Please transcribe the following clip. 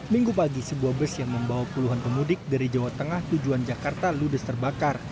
minggu pagi sebuah bus yang membawa puluhan pemudik dari jawa tengah tujuan jakarta ludes terbakar